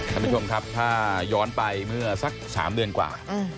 ท่านผู้ชมครับถ้าย้อนไปเมื่อสัก๓เดือนกว่า